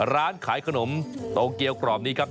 ร้านขายขนมโตเกียวกรอบนี้ครับ